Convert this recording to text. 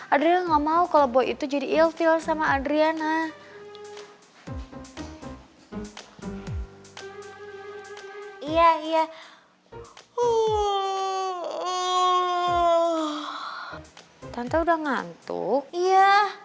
ada yang enggak mau kalau boy itu jadi ilfil sama andriana iya iya uh uh tante udah ngantuk iya